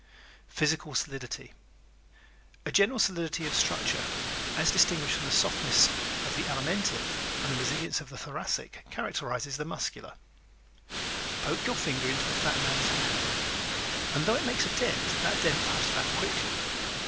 Physical Solidity ¶ A general solidity of structure, as distinguished from the softness of the Alimentive and the resilience of the Thoracic, characterizes the Muscular. (See Chart 5) Poke your finger into a fat man's hand and though it makes a dent that dent puffs back quickly.